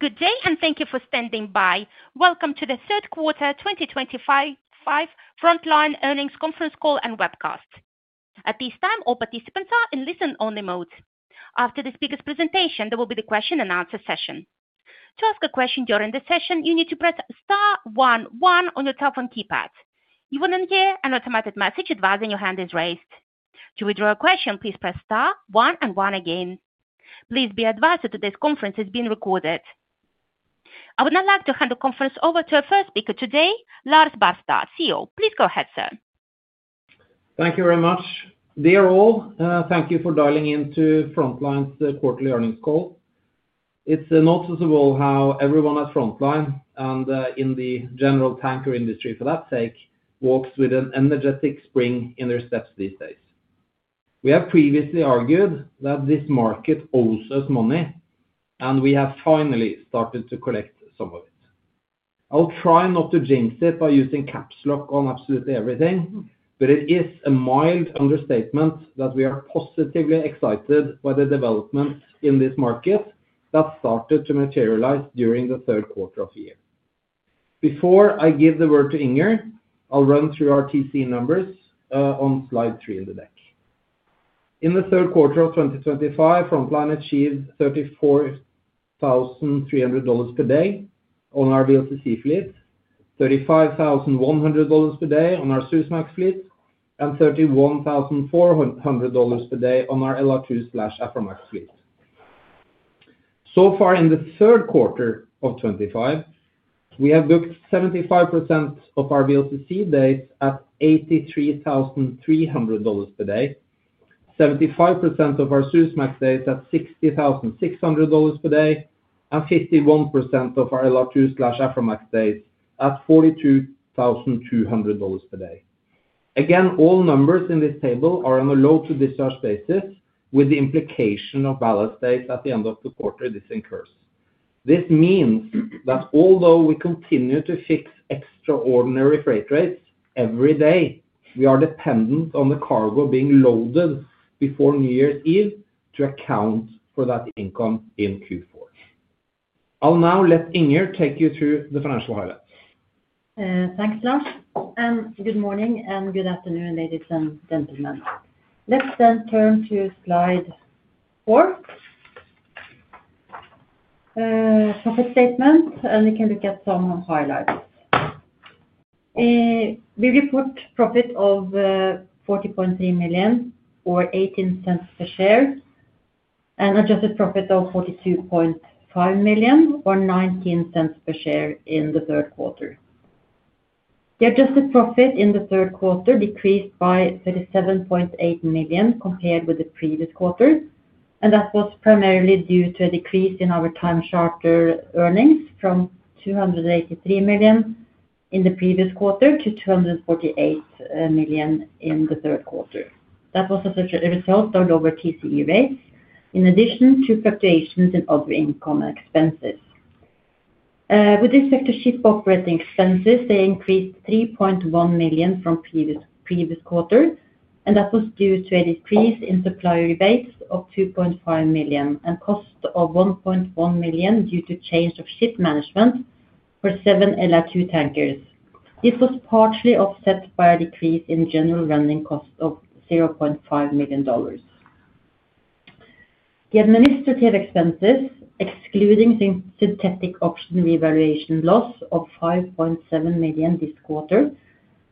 Good day, and thank you for standing by. Welcome to the third quarter 2025 Frontline Earnings Conference Call and Webcast. At this time, all participants are in listen-only mode. After the speaker's presentation, there will be the question-and-answer session. To ask a question during the session, you need to press star one one on your telephone keypad. You will then hear an automated message advising your hand is raised. To withdraw a question, please press star one and one again. Please be advised that today's conference is being recorded. I would now like to hand the conference over to our first speaker today, Lars Barstad, CEO. Please go ahead, sir. Thank you very much. Dear all, thank you for dialing in to Frontline's quarterly Earnings Call. It's noticeable how everyone at Frontline and in the general tanker industry, for that sake, walks with an energetic spring in their steps these days. We have previously argued that this market owes us money, and we have finally started to collect some of it. I'll try not to jinx it by using caps lock on absolutely everything, but it is a mild understatement that we are positively excited by the developments in this market that started to materialize during the third quarter of the year. Before I give the word to Inger, I'll run through our TC numbers on slide three in the deck. In the third quarter of 2024, Frontline achieved $34,300 per day on our VLCC fleet, $35,100 per day on our Suezmax fleet, and $31,400 per day on our LR2 / Aframax fleet. So far, in the third quarter of 2025, we have booked 75% of our VLCC days at $83,300 per day, 75% of our Suezmax days at $60,600 per day, and 51% of our LR2 / Aframax per days at $42,200 per day. Again, all numbers in this table are on a load-to-discharge basis, with the implication of ballast days at the end of the quarter this incurs. This means that although we continue to fix extraordinary freight rates every day, we are dependent on the cargo being loaded before New Year's Eve to account for that income in Q4. I'll now let Inger take you through the financial highlights. Thanks, Lars. Good morning and good afternoon, ladies and gentlemen. Let's then turn to slide four, profit statement, and we can look at some highlights. We report profit of $40.3 million, or $0.18 per share, and adjusted profit of $42.5 million, or $0.19 per share in the third quarter. The adjusted profit in the third quarter decreased by $37.8 million compared with the previous quarter, and that was primarily due to a decrease in our time charter earnings from $283 million in the previous quarter to $248 million in the third quarter. That was such a result of lower TCE rates, in addition to fluctuations in other income and expenses. With respect to ship operating expenses, they increased $3.1 million from the previous quarter, and that was due to a decrease in supply rate of $2.5 million and a cost of $1.1 million due to change of ship management for seven LR2 tankers. This was partially offset by a decrease in general running cost of $0.5 million. The administrative expenses, excluding synthetic option revaluation loss of $5.7 million this quarter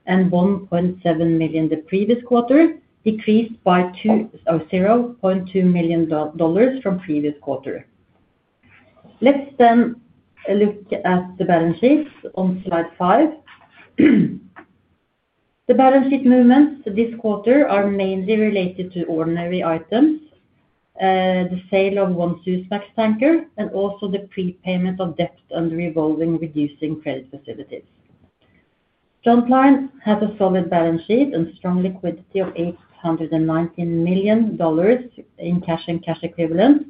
and $1.7 million the previous quarter, decreased by $0.2 million from the previous quarter. Let's then look at the balance sheets on slide five. The balance sheet movements this quarter are mainly related to ordinary items, the sale of one Suezmax tanker, and also the prepayment of debt under revolving reducing credit facilities. Frontline has a solid balance sheet and strong liquidity of $819 million in cash and cash equivalent,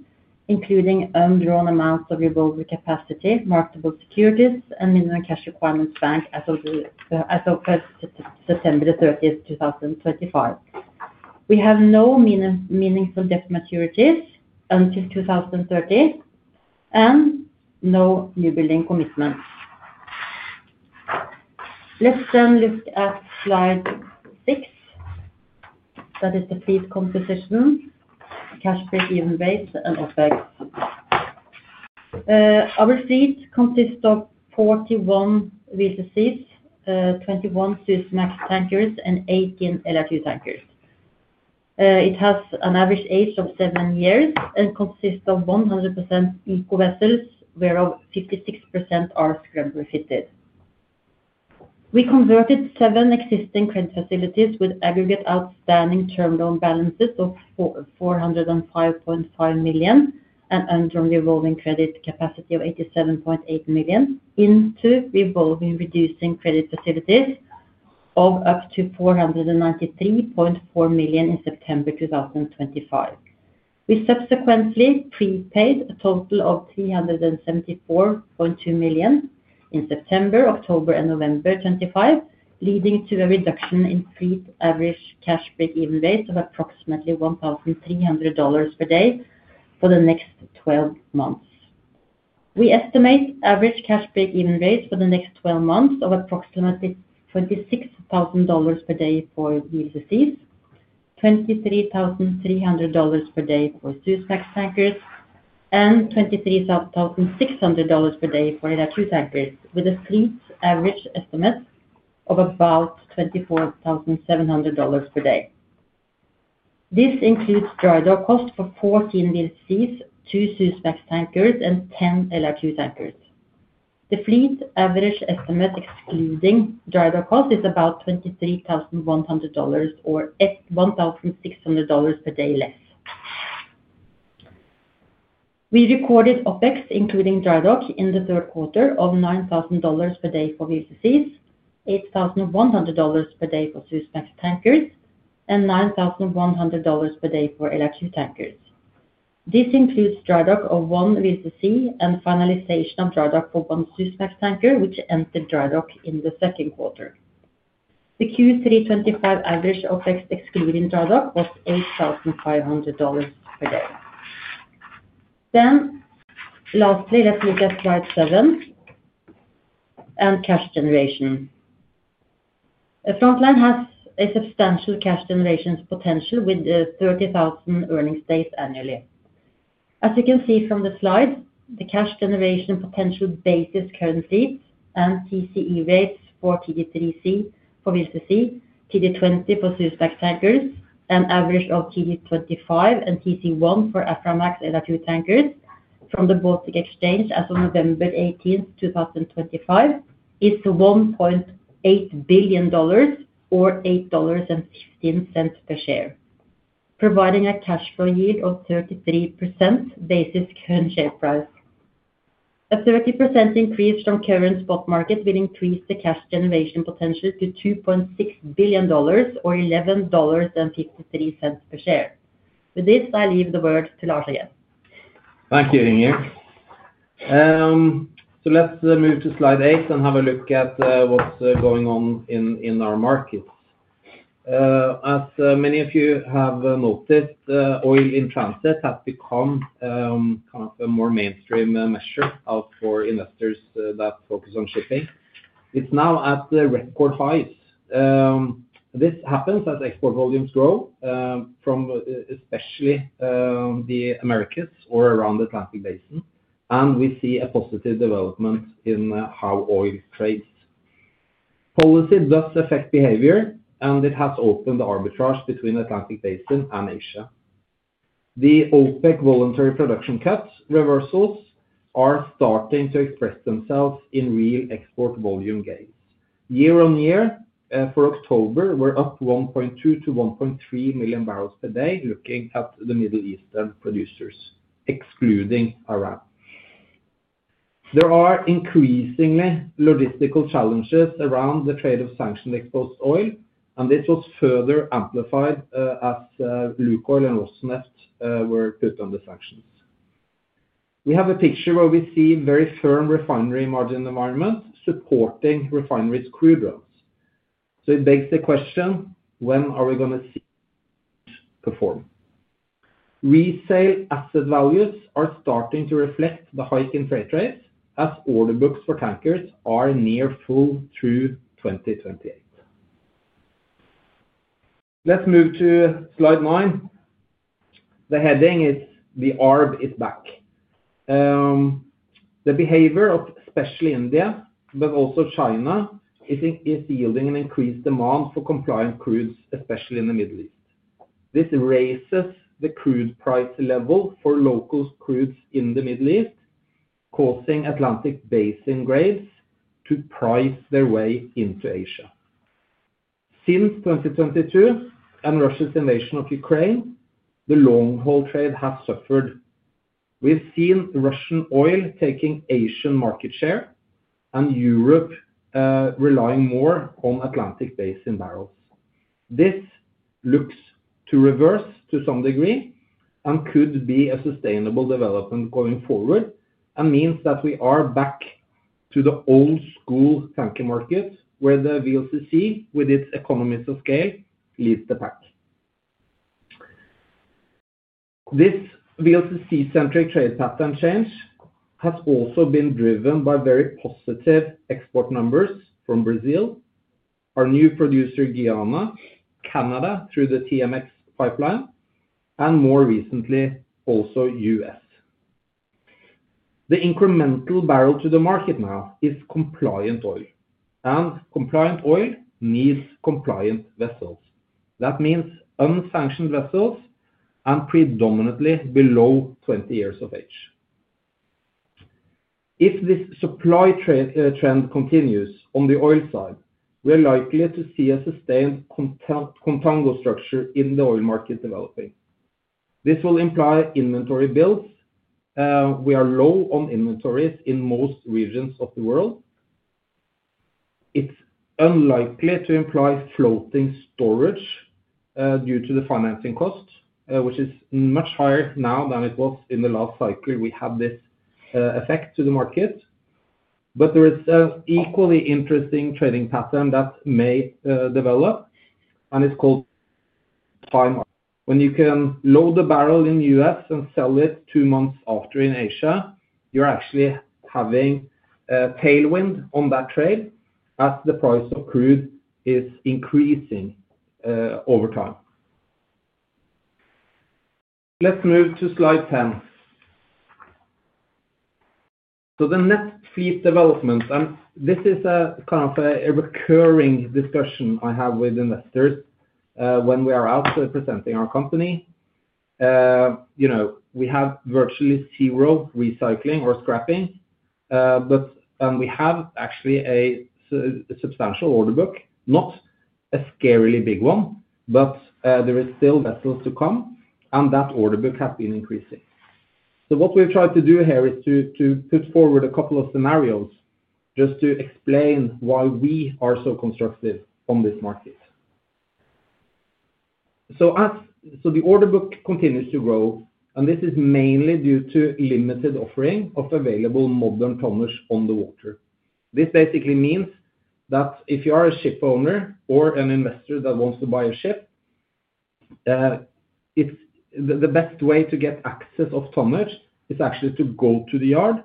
including undrawn amounts of revolving capacity, marketable securities, and minimum cash requirements bank as of September 30th, 2025. We have no meaningful debt maturities until 2030 and no new building commitments. Let's then look at slide six, that is the fleet composition, cash-based breakeven rates, and OpEx. Our fleet consists of 41 VLCCs, 21 Suezmax tankers, and 18 LR2 tankers. It has an average age of seven years and consists of 100% ECO vessels, whereof 56% are scrubber-fitted. We converted seven existing credit facilities with aggregate outstanding term loan balances of $405.5 million and undrawn revolving credit capacity of $87.8 million into revolving reducing credit facilities of up to $493.4 million in September 2025. We subsequently prepaid a total of $374.2 million in September, October, and November 2025, leading to a reduction in fleet average cash-based even rate of approximately $1,300 per day for the next 12 months. We estimate average cash-based even rates for the next 12 months of approximately $26,000 per day for VLCCs, $23,300 per day for Suezmax tankers, and $23,600 per day for LR2 tankers, with a fleet average estimate of about $24,700 per day. This includes dry-dock cost for 14 VLCCs, 2 Suezmax tankers, and 10 LR2 tankers. The fleet average estimate, excluding dry-dock cost, is about $23,100, or $1,600 per day less. We recorded OpEx, including dry-dock, in the third quarter of $9,000 per day for VLCCs, $8,100 per day for Suezmax tankers, and $9,100 per day for LR2 tankers. This includes dry-dock of one VLCC and finalization of dry-dock for one Suezmax tanker, which ended dry-dock in the second quarter. The Q3 '24 average OpEx, excluding dry-dock, was $8,500 per day. Lastly, let's look at slide seven and cash generation. Frontline has a substantial cash generation potential with 30,000 earnings days annually. As you can see from the slide, the cash generation potential basis currency and TCE rates for TD3C for VLCC, TD20 for Suezmax tankers, and average of TD25 and TC1 for Aframax LR2 tankers from the Baltic Exchange as of November 18, 2024, is $1.8 billion, or $8.15 per share, providing a cash flow yield of 33% basis current share price. A 30% increase from current spot market will increase the cash generation potential to $2.6 billion, or $11.53 per share. With this, I leave the word to Lars again. Thank you, Inger. So let's move to slide eight and have a look at what's going on in our markets. As many of you have noticed, oil in transit has become kind of a more mainstream measure for investors that focus on shipping. It's now at record highs. This happens as export volumes grow, from especially the Americas or around the Atlantic Basin, and we see a positive development in how oil trades. Policy does affect behavior, and it has opened the arbitrage between the Atlantic Basin and Asia. The OPEC voluntary production cuts reversals are starting to express themselves in real export volume gains. Year-on-year, for October, we're up 1.2 million - 1.3 million barrels per day, looking at the Middle Eastern producers, excluding Iran. There are increasingly logistical challenges around the trade of sanctioned export oil, and this was further amplified as Lukoil and Rosneft were put under sanctions. We have a picture where we see very firm refinery margin environments supporting refinery screw drums. So it begs the question, when are we going to see this perform? Resale asset values are starting to reflect the hike in freight rates as order books for tankers are near full through 2028. Let's move to slide nine. The heading is, "The Arb is Back." The behavior of especially India, but also China, is yielding an increased demand for compliant crudes, especially in the Middle East. This raises the crude price level for local crudes in the Middle East, causing Atlantic Basin graves to price their way into Asia. Since 2022 and Russia's invasion of Ukraine, the long-haul trade has suffered. We've seen Russian oil taking Asian market share and Europe relying more on Atlantic Basin barrels. This looks to reverse to some degree and could be a sustainable development going forward and means that we are back to the old-school tanker market where the VLCC, with its economies of scale, leads the pack. This VLCC-centric trade pattern change has also been driven by very positive export numbers from Brazil, our new producer Guyana, Canada through the TMX pipeline, and more recently, also U.S. The incremental barrel to the market now is compliant oil, and compliant oil needs compliant vessels. That means unsanctioned vessels and predominantly below 20 years of age. If this supply trend continues on the oil side, we are likely to see a sustained contango structure in the oil market developing. This will imply inventory builds. We are low on inventories in most regions of the world. It's unlikely to imply floating storage due to the financing cost, which is much higher now than it was in the last cycle. We had this effect to the market, but there is an equally interesting trading pattern that may develop, and it's called time. When you can load a barrel in the U.S. and sell it two months after in Asia, you're actually having a tailwind on that trade as the price of crude is increasing over time. Let's move to slide 10. So the net fleet development, and this is kind of a recurring discussion I have with investors when we are out presenting our company. We have virtually zero recycling or scrapping, but we have actually a substantial order book, not a scarily big one, but there are still vessels to come, and that order book has been increasing. So what we've tried to do here is to put forward a couple of scenarios just to explain why we are so constructive on this market. So the order book continues to grow, and this is mainly due to limited offering of available modern tonnage on the water. This basically means that if you are a ship owner or an investor that wants to buy a ship, the best way to get access of tonnage is actually to go to the yard,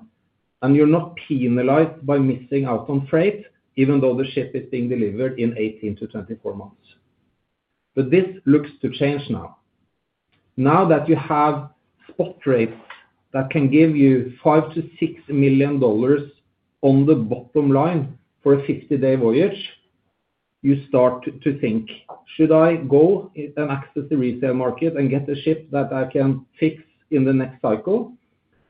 and you're not penalized by missing out on freight, even though the ship is being delivered in 18-24 months. But this looks to change now. Now that you have spot rates that can give you $5 million - $6 million on the bottom line for a 50-day voyage, you start to think, should I go and access the resale market and get a ship that I can fix in the next cycle,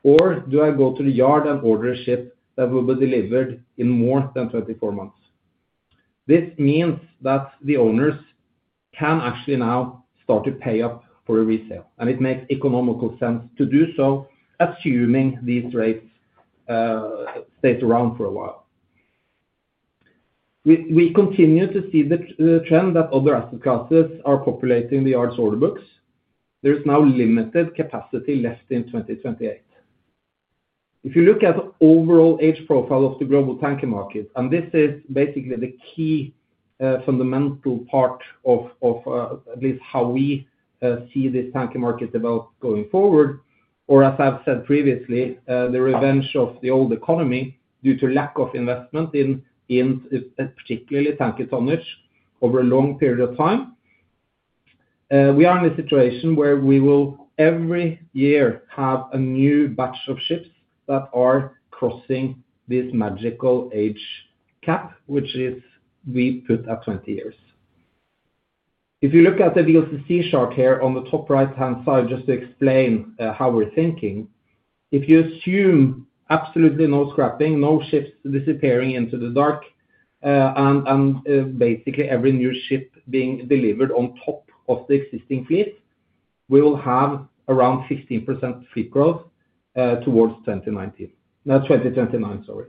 or do I go to the yard and order a ship that will be delivered in more than 24 months? This means that the owners can actually now start to pay up for a resale, and it makes economical sense to do so assuming these rates stay around for a while. We continue to see the trend that other asset classes are populating the yard's order books. There is now limited capacity left in 2028. If you look at the overall age profile of the global tanker market, and this is basically the key fundamental part of at least how we see this tanker market develop going forward, or as I've said previously, the revenge of the old economy due to lack of investment in particularly tanker tonnage over a long period of time, we are in a situation where we will every year have a new batch of ships that are crossing this magical age cap, which we put at 20 years. If you look at the VLCC chart here on the top right-hand side, just to explain how we're thinking, if you assume absolutely no scrapping, no ships disappearing into the dark, and basically every new ship being delivered on top of the existing fleet, we will have around 15% fleet growth towards 2029, sorry.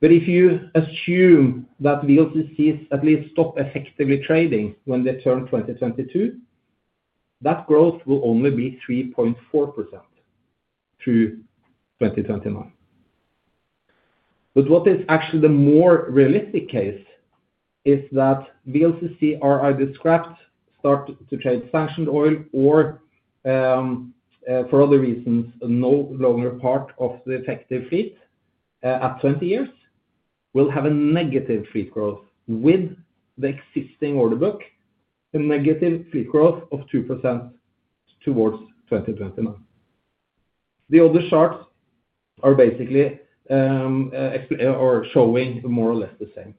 But if you assume that VLCCs at least stop effectively trading when they turn 2022, that growth will only be 3.4% through 2029. But what is actually the more realistic case is that VLCCs are either scrapped, start to trade sanctioned oil, or for other reasons, no longer part of the effective fleet at 20 years, will have a negative fleet growth with the existing order book, a negative fleet growth of 2% towards 2029. The other charts are basically showing more or less the same.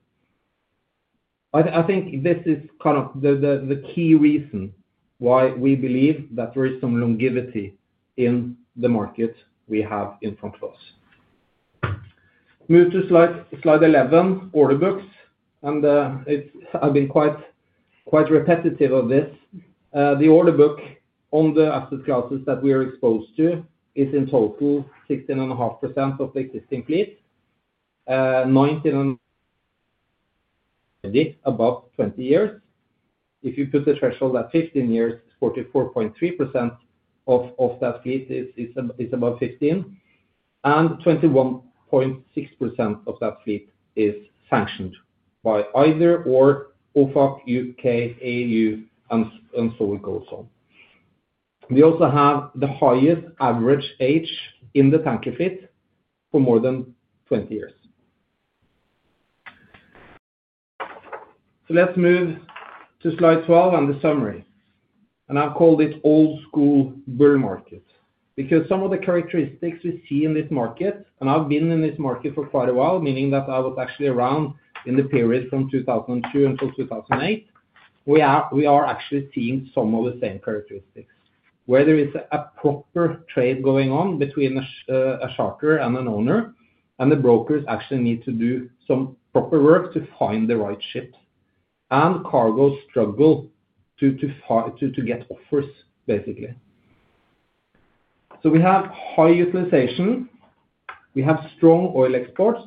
I think this is kind of the key reason why we believe that there is some longevity in the market we have in front of us. Move to slide 11, order books, and I've been quite repetitive of this. The order book on the asset classes that we are exposed to is in total 16.5% of the existing fleet, 19 above 20 years. If you put the threshold at 15 years, 44.3% of that fleet is above 15, and 21.6% of that fleet is sanctioned by either or OFAC, U.K., AU, and so we go on. We also have the highest average age in the tanker fleet for more than 20 years. So let's move to slide 12 and the summary, and I've called it old-school bull market because some of the characteristics we see in this market, and I've been in this market for quite a while, meaning that I was actually around in the period from 2002 until 2008, we are actually seeing some of the same characteristics where there is a proper trade going on between a sharker and an owner, and the brokers actually need to do some proper work to find the right ships, and cargoes struggle to get offers, basically. So we have high utilization, we have strong oil exports,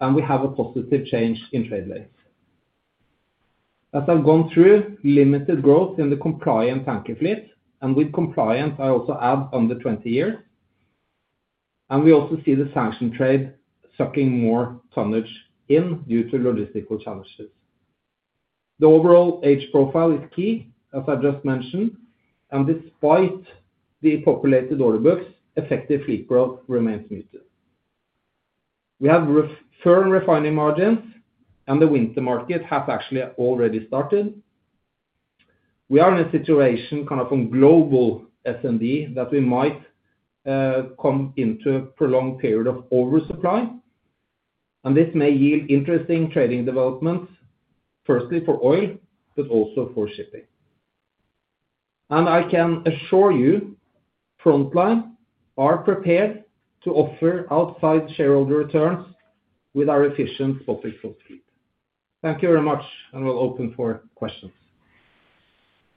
and we have a positive change in trade rates. As I've gone through, limited growth in the compliant tanker fleet, and with compliant, I also add under 20 years, and we also see the sanctioned trade sucking more tonnage in due to logistical challenges. The overall age profile is key, as I just mentioned, and despite the populated order books, effective fleet growth remains muted. We have firm refining margins, and the winter market has actually already started. We are in a situation kind of on global S&E that we might come into a prolonged period of oversupply, and this may yield interesting trading developments, firstly for oil, but also for shipping. And I can assure you, Frontline are prepared to offer outside shareholder returns with our efficient office float fleet. Thank you very much, and we'll open for questions.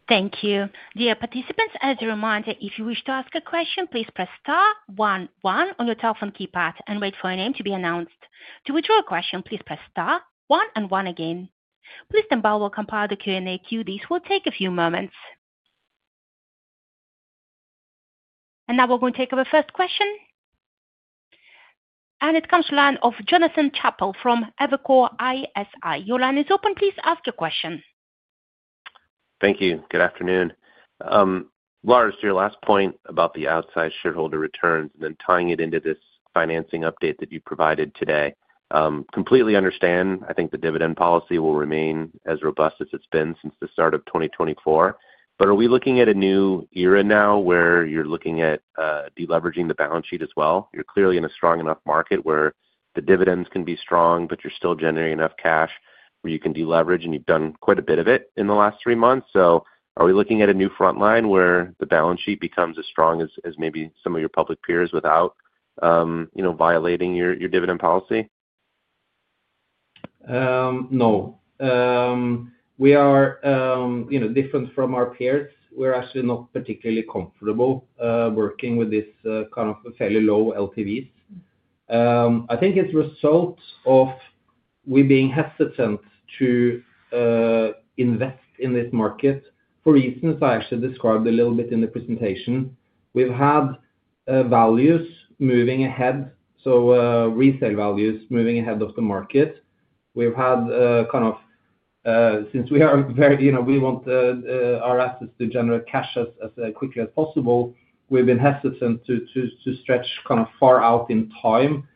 Thank you. Dear participants, as a reminder, if you wish to ask a question, please press star one, one on your telephone keypad and wait for your name to be announced. To withdraw a question, please press star one, and one again. Please then bow or compile the Q&A queue. This will take a few moments. And now we're going to take our first question, and it comes to the line of Jonathan Chappell from Evercore ISI. Your line is open. Please ask your question. Thank you. Good afternoon. Lars, to your last point about the outside shareholder returns and then tying it into this financing update that you provided today, completely understand. I think the dividend policy will remain as robust as it's been since the start of 2024, but are we looking at a new era now where you're looking at deleveraging the balance sheet as well? You're clearly in a strong enough market where the dividends can be strong, but you're still generating enough cash where you can deleverage, and you've done quite a bit of it in the last three months. So are we looking at a new Frontline where the balance sheet becomes as strong as maybe some of your public peers without violating your dividend policy? No. We are different from our peers. We're actually not particularly comfortable working with this kind of fairly low LTVs. I think it's a result of we being hesitant to invest in this market for reasons I actually described a little bit in the presentation. We've had values moving ahead, so resale values moving ahead of the market. We've had kind of since we are very we want our assets to generate cash as quickly as possible. We've been hesitant to stretch kind of far out in time,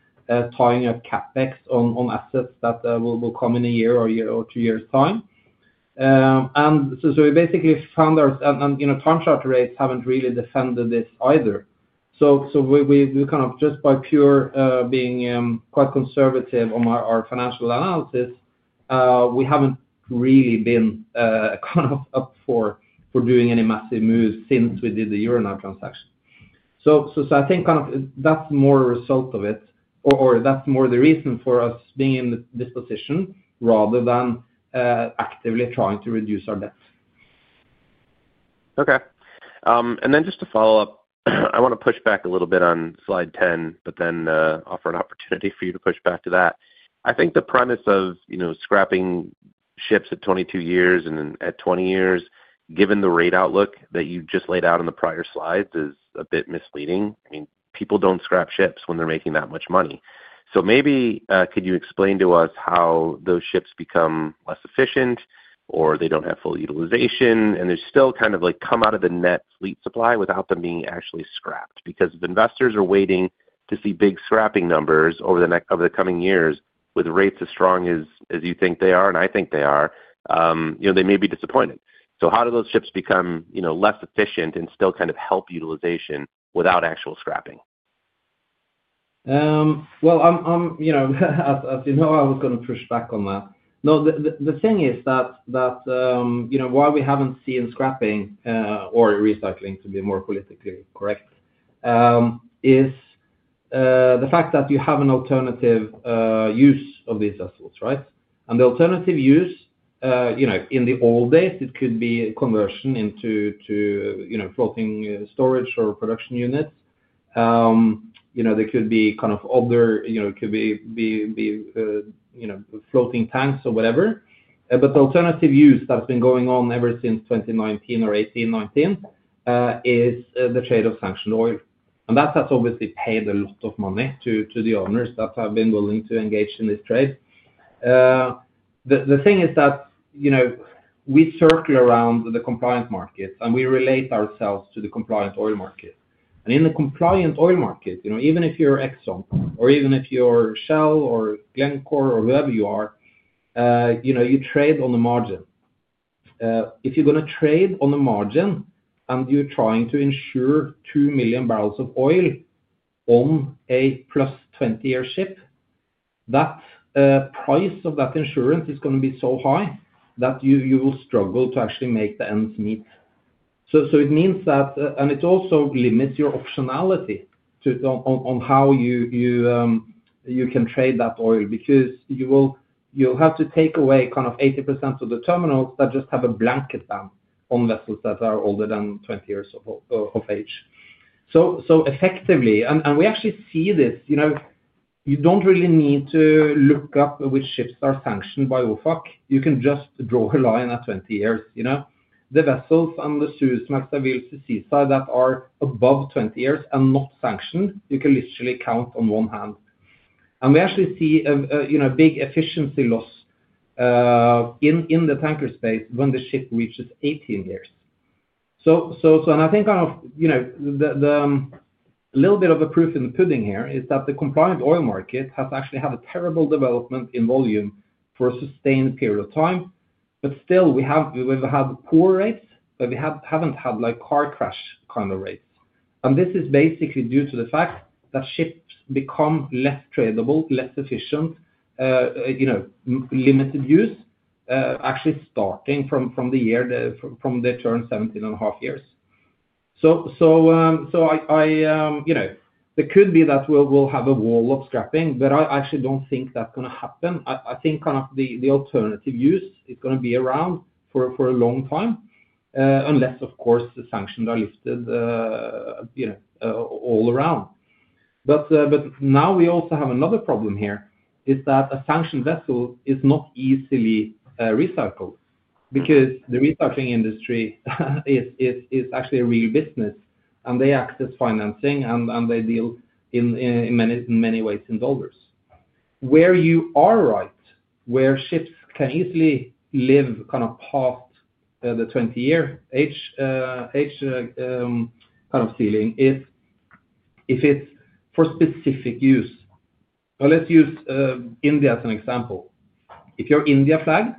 tying a CapEx on assets that will come in a year or two years' time. And so we basically found ourselves, and term chart rates haven't really defended this either. So we kind of just by pure being quite conservative on our financial analysis, we haven't really been kind of up for doing any massive moves since we did the Euro now transaction. So I think kind of that's more a result of it, or that's more the reason for us being in this position rather than actively trying to reduce our debt. Okay. And then just to follow up, I want to push back a little bit on slide 10, but then offer an opportunity for you to push back to that. I think the premise of scrapping ships at 22 years and at 20 years, given the rate outlook that you just laid out in the prior slides, is a bit misleading. I mean, people don't scrap ships when they're making that much money. So maybe could you explain to us how those ships become less efficient, or they don't have full utilization, and they still kind of come out of the net fleet supply without them being actually scrapped? Because if investors are waiting to see big scrapping numbers over the coming years with rates as strong as you think they are, and I think they are, they may be disappointed. So how do those ships become less efficient and still kind of help utilization without actual scrapping? Well, as you know, I was going to push back on that. No, the thing is that why we haven't seen scrapping or recycling, to be more politically correct, is the fact that you have an alternative use of these vessels, right? And the alternative use in the old days, it could be conversion into floating storage or production units. There could be kind of other it could be floating tanks or whatever. But the alternative use that's been going on ever since 2019 or 18, 19 is the trade of sanctioned oil. And that has obviously paid a lot of money to the owners that have been willing to engage in this trade. The thing is that we circle around the compliant markets, and we relate ourselves to the compliant oil market. And in the compliant oil market, even if you're Exxon, or even if you're Shell, or Glencore, or whoever you are, you trade on the margin. If you're going to trade on the margin and you're trying to insure 2 million barrels of oil on a plus 20-year ship, that price of that insurance is going to be so high that you will struggle to actually make the ends meet. So it means that, and it also limits your optionality on how you can trade that oil because you'll have to take away kind of 80% of the terminals that just have a blanket ban on vessels that are older than 20 years of age. So effectively, and we actually see this, you don't really need to look up which ships are sanctioned by OFAC. You can just draw a line at 20 years. The vessels and the Suezmax and the VLCC side that are above 20 years and not sanctioned, you can literally count on one hand. And we actually see a big efficiency loss in the tanker space when the ship reaches 18 years. And I think kind of the little bit of the proof in the pudding here is that the compliant oil market has actually had a terrible development in volume for a sustained period of time, but still we've had poor rates, but we haven't had car crash kind of rates. And this is basically due to the fact that ships become less tradable, less efficient, limited use, actually starting from the year from they turn 17 and a half years. So there could be that we'll have a wall of scrapping, but I actually don't think that's going to happen. I think kind of the alternative use is going to be around for a long time, unless, of course, the sanctions are lifted all around. But now we also have another problem here, is that a sanctioned vessel is not easily recycled because the recycling industry is actually a real business, and they access financing, and they deal in many ways in dollars. Where you are right, where ships can easily live kind of past the 20-year age kind of ceiling is if it's for specific use. Let's use India as an example. If you're India flagged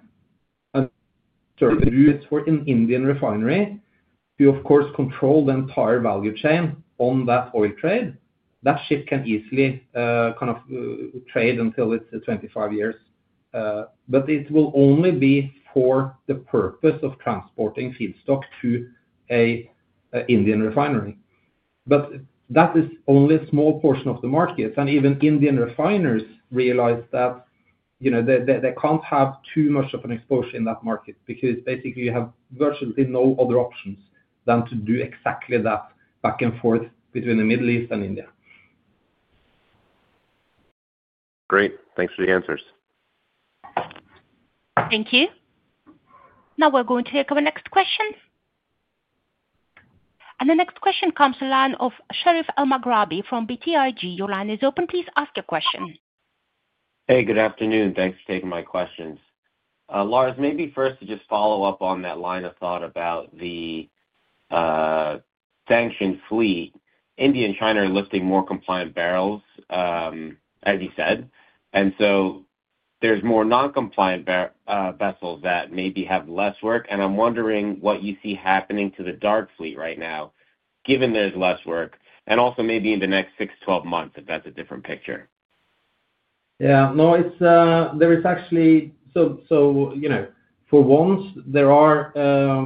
and it's for an Indian refinery, you, of course, control the entire value chain on that oil trade. That ship can easily kind of trade until it's 25 years, but it will only be for the purpose of transporting feedstock to an Indian refinery. But that is only a small portion of the market, and even Indian refiners realize that they can't have too much of an exposure in that market because basically you have virtually no other options than to do exactly that back and forth between the Middle East and India. Great. Thanks for the answers. Thank you. Now we're going to take our next question. And the next question comes to the line of Sherif Elmaghrabi from BTIG. Your line is open. Please ask your question. Hey, good afternoon. Thanks for taking my questions. Lars, maybe first to just follow up on that line of thought about the sanctioned fleet, India and China are lifting more compliant barrels, as you said. And so there's more non-compliant vessels that maybe have less work, and I'm wondering what you see happening to the dark fleet right now, given there's less work, and also maybe in the next 6-12 months, if that's a different picture. Yeah. No, there is actually so for once, there are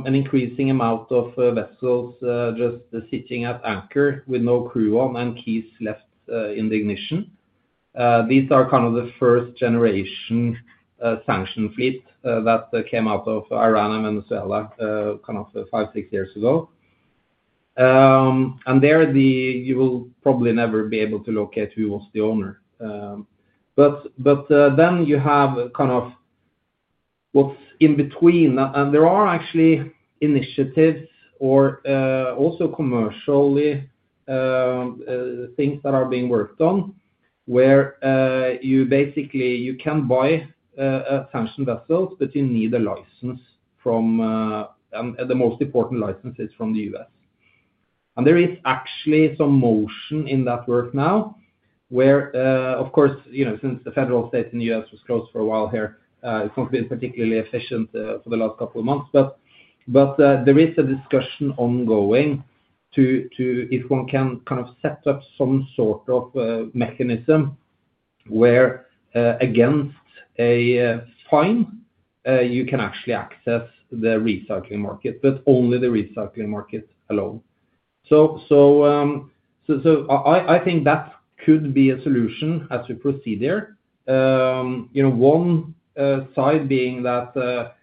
an increasing amount of vessels just sitting at anchor with no crew on and keys left in the ignition. These are kind of the first-generation sanctioned fleet that came out of Iran and Venezuela kind of five, six years ago. And there, you will probably never be able to locate who was the owner. But then you have kind of what's in between, and there are actually initiatives or also commercially things that are being worked on where you basically can buy sanctioned vessels, but you need a license from, and the most important license is from the U.S. And there is actually some motion in that work now where, of course, since the federal state in the U.S. was closed for a while here, it's not been particularly efficient for the last couple of months, but there is a discussion ongoing to if one can kind of set up some sort of mechanism where against a fine, you can actually access the recycling market, but only the recycling market alone. So I think that could be a solution as we proceed here. One side being that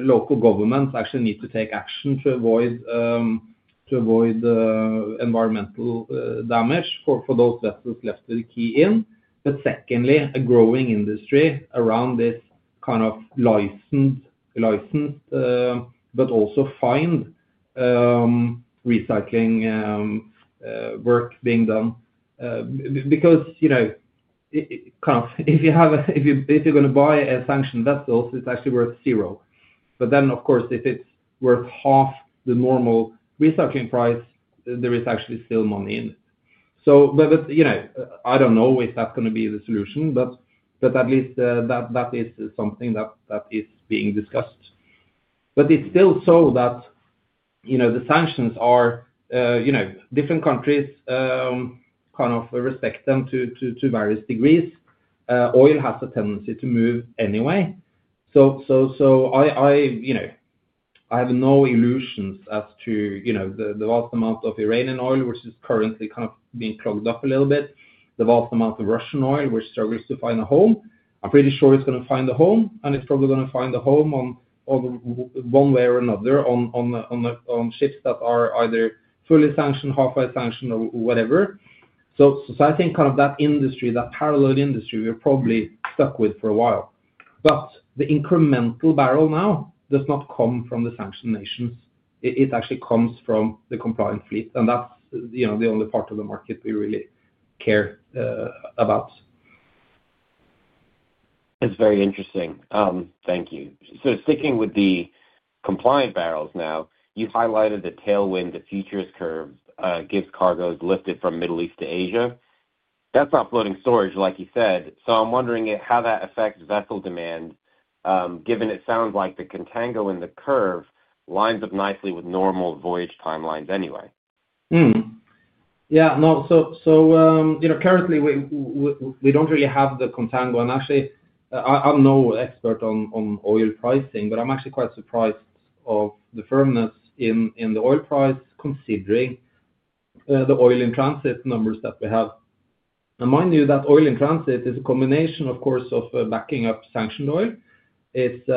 local governments actually need to take action to avoid environmental damage for those vessels left with a key in, but secondly, a growing industry around this kind of licensed, but also fined recycling work being done. Because kind of if you're going to buy a sanctioned vessel, it's actually worth zero. But then, of course, if it's worth half the normal recycling price, there is actually still money in it. So I don't know if that's going to be the solution, but at least that is something that is being discussed. But it's still so that the sanctions are different countries kind of respect them to various degrees. Oil has a tendency to move anyway. So I have no illusions as to the vast amount of Iranian oil, which is currently kind of being clogged up a little bit, the vast amount of Russian oil, which struggles to find a home. I'm pretty sure it's going to find a home, and it's probably going to find a home one way or another on ships that are either fully sanctioned, halfway sanctioned, or whatever. So I think kind of that industry, that parallel industry, we're probably stuck with for a while. But the incremental barrel now does not come from the sanctioned nations. It actually comes from the compliant fleet, and that's the only part of the market we really care about. That's very interesting. Thank you. So sticking with the compliant barrels now, you highlighted the tailwind, the futures curve gives cargoes lifted from the Middle East to Asia. That's not floating storage, like you said. So I'm wondering how that affects vessel demand, given it sounds like the contango in the curve lines up nicely with normal voyage timelines anyway. Yeah. No, so currently, we don't really have the contango. And actually, I'm no expert on oil pricing, but I'm actually quite surprised of the firmness in the oil price, considering the oil-in-transit numbers that we have. And mind you, that oil-in-transit is a combination, of course, of backing up sanctioned oil. It's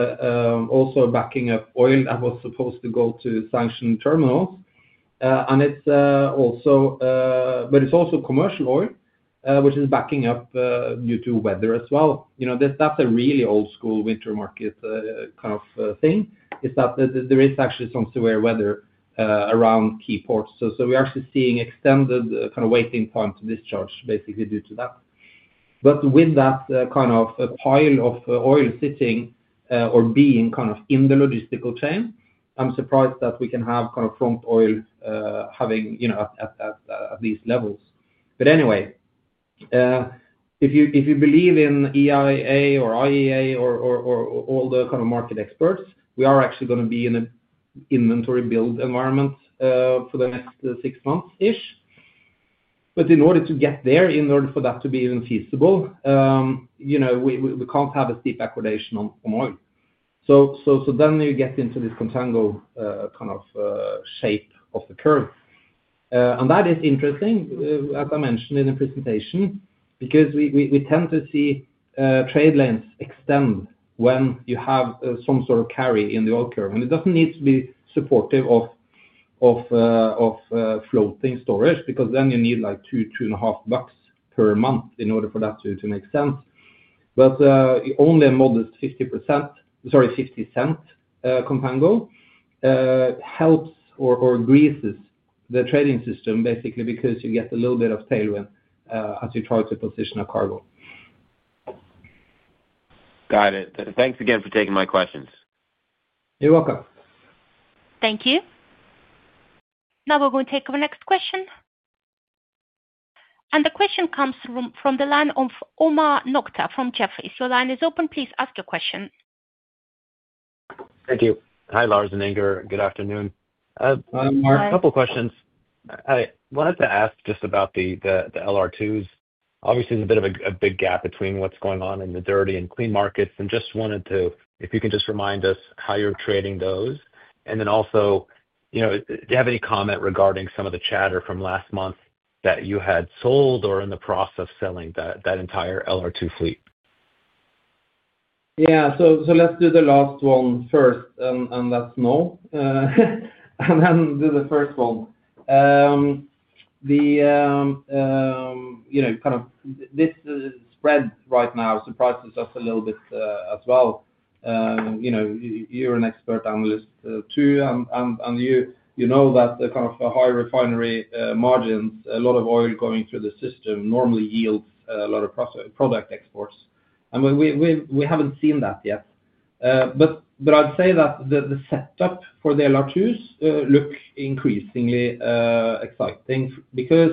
also backing up oil that was supposed to go to sanctioned terminals. And it's also commercial oil, which is backing up due to weather as well. That's a really old-school winter market kind of thing, is that there is actually some severe weather around key ports. So we're actually seeing extended kind of waiting time to discharge, basically due to that. But with that kind of pile of oil sitting or being kind of in the logistical chain, I'm surprised that we can have kind of front oil having at these levels. But anyway, if you believe in EIA or IEA or all the kind of market experts, we are actually going to be in an inventory build environment for the next six months-ish. But in order to get there, in order for that to be even feasible, we can't have a steep accreditation on oil. So then you get into this contango kind of shape of the curve. And that is interesting, as I mentioned in the presentation, because we tend to see trade lanes extend when you have some sort of carry in the oil curve. And it doesn't need to be supportive of floating storage because then you need like two, two and a half bucks per month in order for that to make sense. But only a modest 50%, sorry, $0.50 contango helps or greases the trading system, basically, because you get a little bit of tailwind as you try to position a cargo. Got it. Thanks again for taking my questions. You're welcome. Thank you. Now we're going to take our next question. And the question comes from the line of Omar Nokta from Jefferies. Your line is open. Please ask your question. Thank you. Hi, Lars and Inger. Good afternoon. Hi, Omar. A couple of questions. I wanted to ask just about the LR2s. Obviously, there's a bit of a big gap between what's going on in the dirty and clean markets, and just wanted to, if you can just remind us how you're trading those. And then also, do you have any comment regarding some of the chatter from last month that you had sold or in the process of selling that entire LR2 fleet? Yeah. So let's do the last one first, and that's no. And then do the first one. Kind of this spread right now surprises us a little bit as well. You're an expert analyst too, and you know that kind of high refinery margins, a lot of oil going through the system normally yields a lot of product exports. And we haven't seen that yet. But I'd say that the setup for the LR2s looks increasingly exciting because,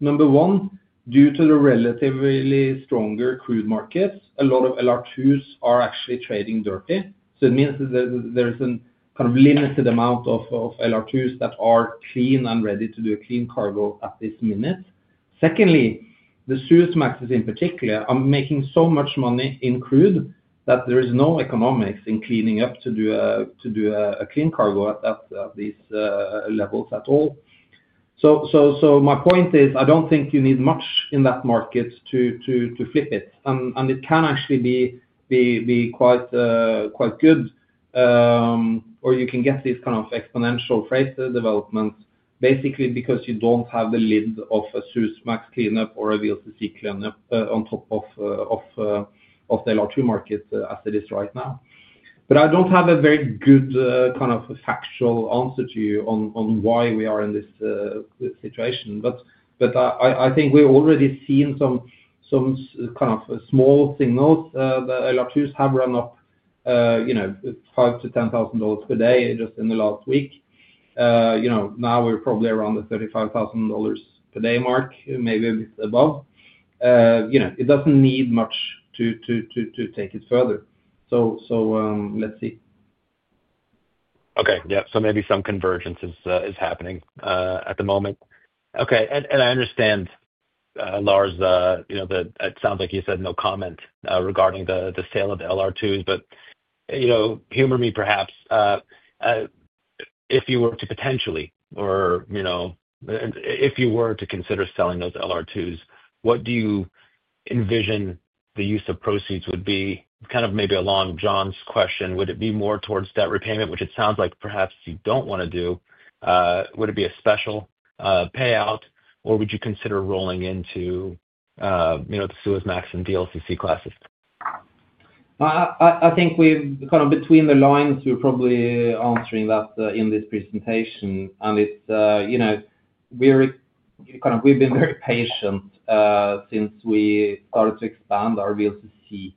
number one, due to the relatively stronger crude markets, a lot of LR2s are actually trading dirty. So it means that there is a kind of limited amount of LR2s that are clean and ready to do a clean cargo at this minute. Secondly, the Suezmax, in particular, are making so much money in crude that there is no economics in cleaning up to do a clean cargo at these levels at all. So my point is, I don't think you need much in that market to flip it. And it can actually be quite good, or you can get these kind of exponential rate developments, basically because you don't have the lid of a Suez Max cleanup or a VLCC cleanup on top of the LR2 market as it is right now. But I don't have a very good kind of factual answer to you on why we are in this situation. But I think we've already seen some kind of small signals. The LR2s have run up $5,000-$10,000 per day just in the last week. Now we're probably around the $35,000 per day mark, maybe a bit above. It doesn't need much to take it further. So let's see. Okay. Yeah. So maybe some convergence is happening at the moment. Okay. And I understand, Lars, that it sounds like you said no comment regarding the sale of the LR2s, but humor me perhaps. If you were to potentially, or if you were to consider selling those LR2s, what do you envision the use of proceeds would be? Kind of maybe along John's question, would it be more towards debt repayment, which it sounds like perhaps you don't want to do? Would it be a special payout, or would you consider rolling into the Suezmax and VLCC classes? I think kind of between the lines, we're probably answering that in this presentation. And we've been very patient since we started to expand our VLCC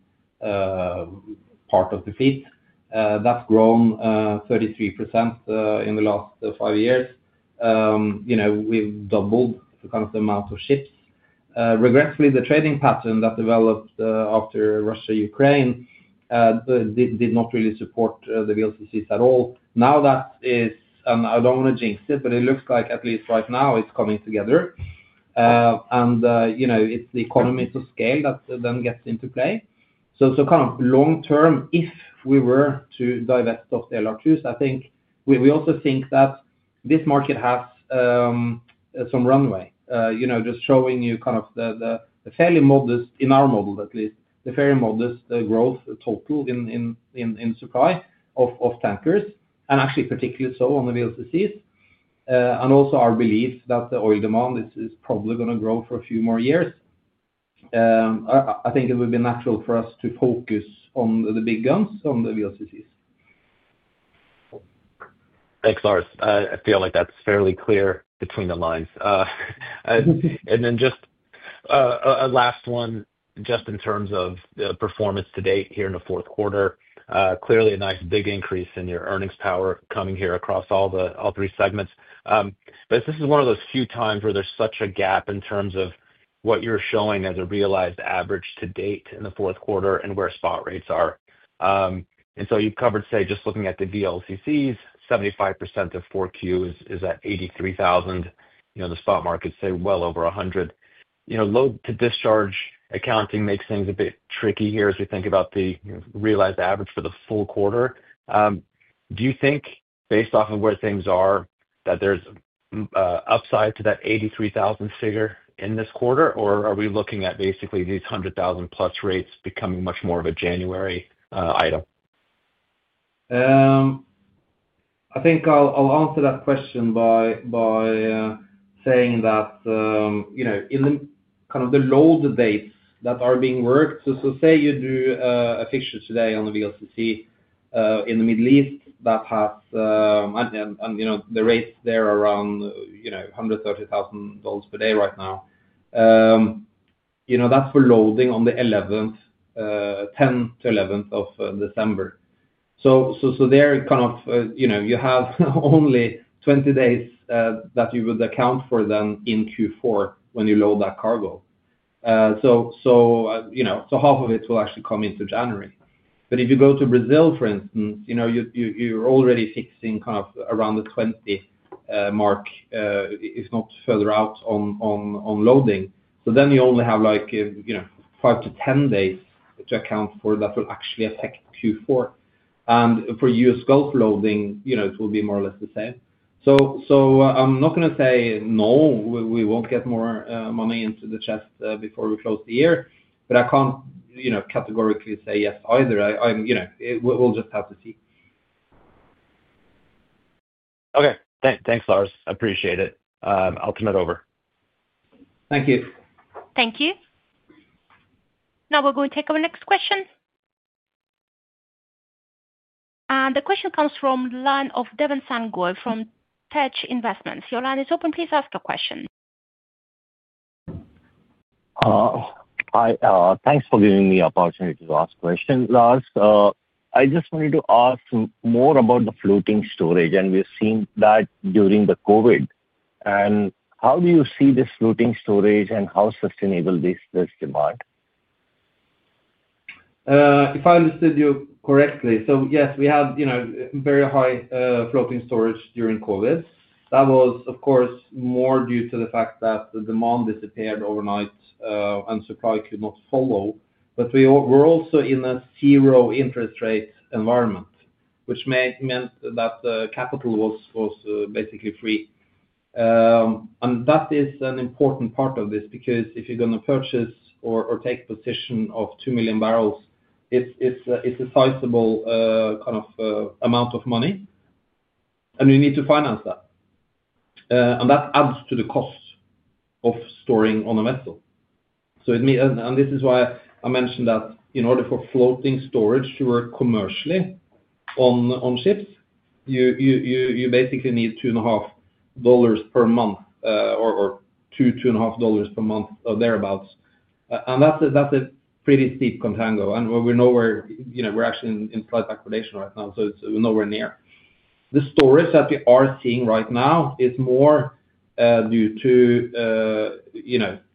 part of the fleet. That's grown 33% in the last five years. We've doubled the kind of amount of ships. Regretfully, the trading pattern that developed after Russia-Ukraine did not really support the VLCCs at all. Now that is, and I don't want to jinx it, but it looks like at least right now it's coming together. And it's the economies of scale that then gets into play. So kind of long term, if we were to divest off the LR2s, I think we also think that this market has some runway, just showing you kind of the fairly modest, in our model at least, the fairly modest growth total in supply of tankers, and actually particularly so on the VLCCs. And also our belief that the oil demand is probably going to grow for a few more years. I think it would be natural for us to focus on the big guns on the VLCCs. Thanks, Lars. I feel like that's fairly clear between the lines. And then just a last one, just in terms of performance to date here in the fourth quarter, clearly a nice big increase in your earnings power coming here across all three segments. But this is one of those few times where there's such a gap in terms of what you're showing as a realized average to date in the fourth quarter and where spot rates are. And so you've covered, say, just looking at the VLCCs, 75% of 4Q is at 83,000. The spot markets say well over 100. Load-to-discharge accounting makes things a bit tricky here as we think about the realized average for the full quarter. Do you think, based off of where things are, that there's upside to that 83,000 figure in this quarter, or are we looking at basically these 100,000+ rates becoming much more of a January item? I think I'll answer that question by saying that in kind of the load dates that are being worked, so say you do a fixture today on the VLCC in the Middle East that has the rates there around $130,000 per day right now. That's for loading on the 11th, 10th-11th of December, so there kind of you have only 20 days that you would account for then in Q4 when you load that cargo, so half of it will actually come into January, but if you go to Brazil, for instance, you're already fixing kind of around the 20 mark, if not further out on loading, so then you only have like 5 to 10 days to account for that will actually affect Q4, and for U.S. Gulf loading, it will be more or less the same. So I'm not going to say no, we won't get more money into the chest before we close the year. But I can't categorically say yes either. We'll just have to see. Okay. Thanks, Lars. I appreciate it. I'll turn it over. Thank you. Thank you. Now we're going to take our next question. And the question comes from the line of Devon Sangoy from Tech Investments. Your line is open. Please ask a question. Thanks for giving me the opportunity to ask a question, Lars. I just wanted to ask more about the floating storage, and we've seen that during the COVID. And how do you see this floating storage and how sustainable is this demand? If I understood you correctly, so yes, we had very high floating storage during COVID. That was, of course, more due to the fact that the demand disappeared overnight and supply could not follow. But we were also in a zero interest rate environment, which meant that capital was basically free. And that is an important part of this because if you're going to purchase or take a position of 2 million barrels, it's a sizable kind of amount of money, and you need to finance that. And that adds to the cost of storing on a vessel. And this is why I mentioned that in order for floating storage to work commercially on ships, you basically need $2.50 per month or $2, and $2.50 per month or thereabouts. And that's a pretty steep contango. And we know we're actually in slight acquisition right now, so it's nowhere near. The storage that we are seeing right now is more due to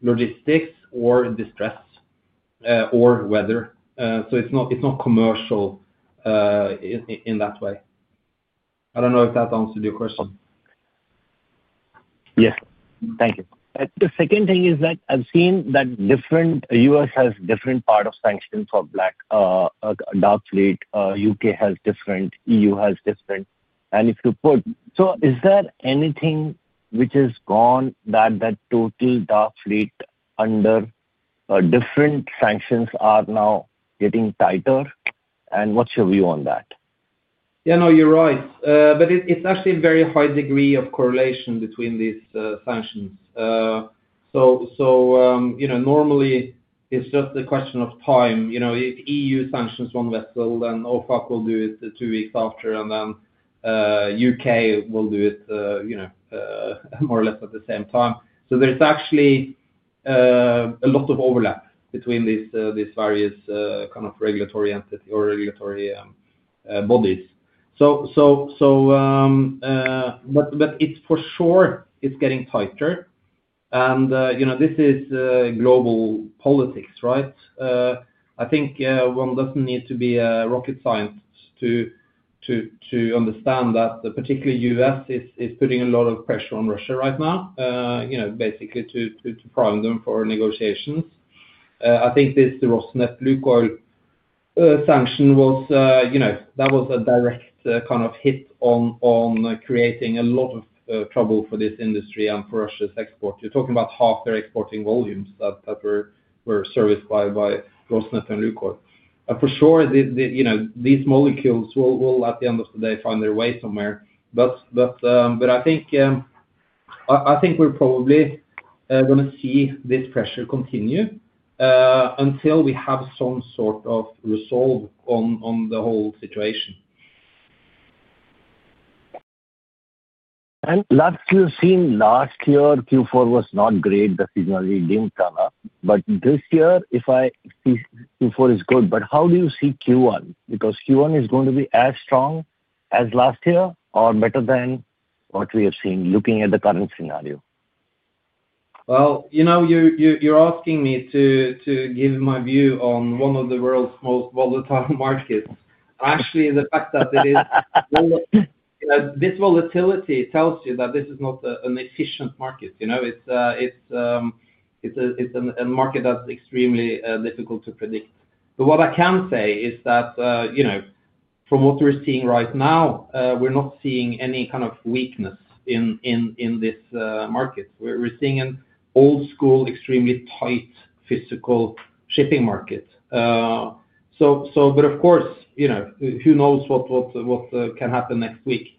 logistics or distress or weather. So it's not commercial in that way. I don't know if that answered your question. Yes. Thank you. The second thing is that I've seen that U.S. has different part of sanction for black, dark fleet. U.K. has different. EU has different. And if you put. So is there anything which has gone that that total dark fleet under different sanctions are now getting tighter? And what's your view on that? Yeah. No, you're right. But it's actually a very high degree of correlation between these sanctions. So normally, it's just a question of time. If EU sanctions one vessel, then OFAC will do it two weeks after, and then U.K. will do it more or less at the same time. So there's actually a lot of overlap between these various kind of regulatory entity or regulatory bodies. But it's for sure it's getting tighter. And this is global politics, right? I think one doesn't need to be a rocket scientist to understand that particularly U.S. is putting a lot of pressure on Russia right now, basically to prime them for negotiations. I think this Rosneft-Lukoil sanction, that was a direct kind of hit on creating a lot of trouble for this industry and for Russia's export. You're talking about half their exporting volumes that were serviced by Rosneft and Lukoil. For sure, these molecules will, at the end of the day, find their way somewhere. But I think we're probably going to see this pressure continue until we have some sort of resolve on the whole situation. And last you've seen last year, Q4 was not great, the signaling didn't turn up. But this year, if I see Q4 is good, but how do you see Q1? Because Q1 is going to be as strong as last year or better than what we have seen looking at the current scenario? Well, you're asking me to give my view on one of the world's most volatile markets. Actually, the fact that it is this volatility tells you that this is not an efficient market. It's a market that's extremely difficult to predict. But what I can say is that from what we're seeing right now, we're not seeing any kind of weakness in this market. We're seeing an old-school, extremely tight physical shipping market. But of course, who knows what can happen next week?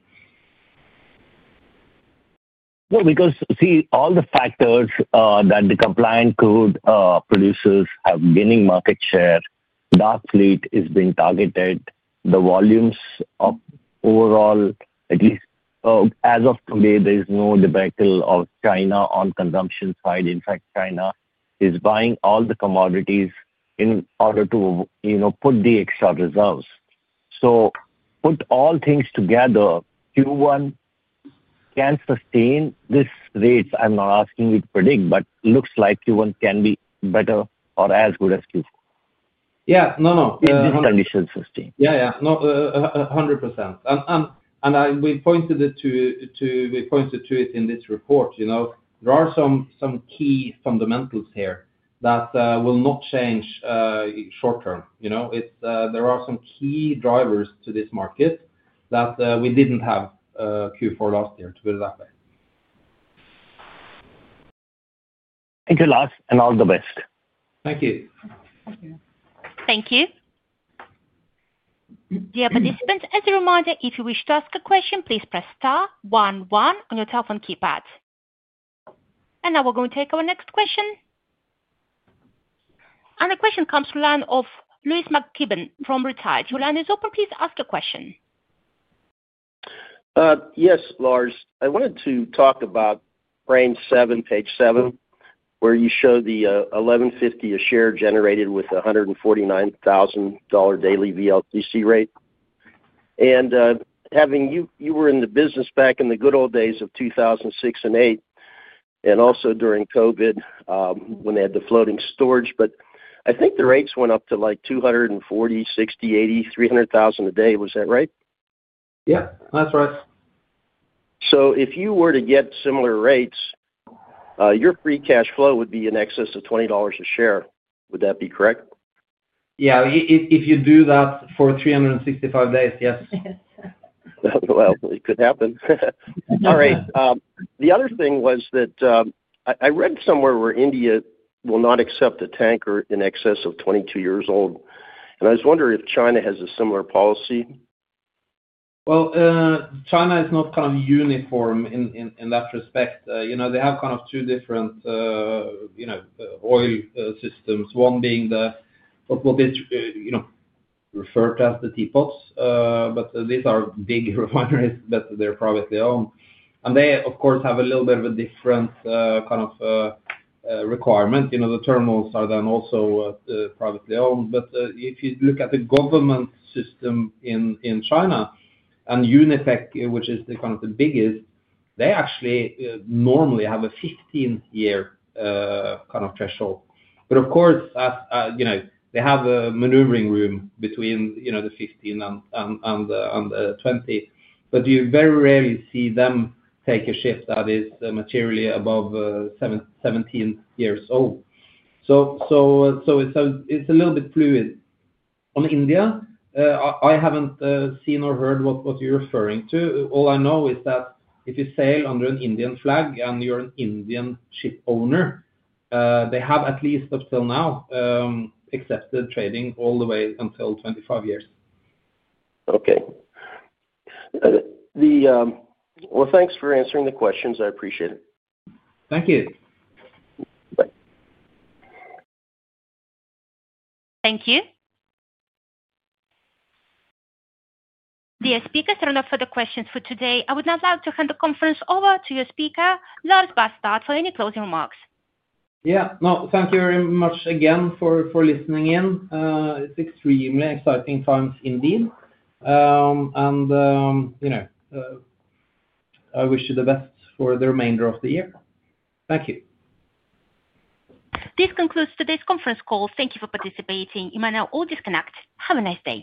Well, because see, all the factors that the compliant crude producers have gaining market share, dark fleet is being targeted, the volumes overall, at least as of today, there is no debacle of China on consumption side. In fact, China is buying all the commodities in order to put the extra reserves. So put all things together, Q1 can sustain these rates. I'm not asking you to predict, but it looks like Q1 can be better or as good as Q4. Yeah. No, no. In these conditions, sustained. Yeah, yeah. No, 100%. And we pointed to it in this report. There are some key fundamentals here that will not change short term. There are some key drivers to this market that we didn't have Q4 last year, to put it that way. Thank you, Lars. And all the best. Thank you. Thank you. Dear participants, as a reminder, if you wish to ask a question, please press star one one on your telephone keypad. And now we're going to take our next question. And the question comes from the line of Louis McKibben from RETAG. Your line is open. Please ask a question. Yes, Lars. I wanted to talk about frame 7, page 7, where you show the 1150 a share generated with a $149,000 daily VLCC rate. And you were in the business back in the good old days of 2006 and 2008, and also during COVID when they had the floating storage. But I think the rates went up to like $240,000, $260,000, $280,000, $300,000 a day. Was that right? Yeah. That's right. So if you were to get similar rates, your free cash flow would be in excess of $20 a share. Would that be correct? Yeah. If you do that for 365 days, yes. It could happen. All right. The other thing was that I read somewhere where India will not accept a tanker in excess of 22 years old. And I was wondering if China has a similar policy. Well, China is not kind of uniform in that respect. They have kind of two different oil systems, one being what is referred to as the T-Ports. But these are big refineries that they're privately owned. And they, of course, have a little bit of a different kind of requirement. The terminals are then also privately owned. But if you look at the government system in China, and UNIPEC, which is kind of the biggest, they actually normally have a 15-year kind of threshold. But of course, they have a maneuvering room between the 15 and the 20. But you very rarely see them take a ship that is materially above 17 years old. So it's a little bit fluid. On India, I haven't seen or heard what you're referring to. All I know is that if you sail under an Indian flag and you're an Indian ship owner, they have at least up till now accepted trading all the way until 25 years. Okay. Thanks for answering the questions. I appreciate it. Thank you. Thank you. The speakers turned up for the questions for today. I would now like to hand the conference over to your speaker, Lars Barstad, for any closing remarks. Yeah. No, thank you very much again for listening in. It's extremely exciting times indeed. And I wish you the best for the remainder of the year. Thank you. This concludes today's conference call. Thank you for participating. You may now all disconnect. Have a nice day.